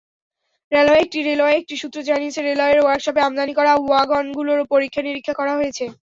রেলওয়ের একটি সূত্র জানিয়েছে, রেলওয়ের ওয়ার্কশপে আমদানি করা ওয়াগনগুলোর পরীক্ষা-নিরীক্ষা করা হয়েছে।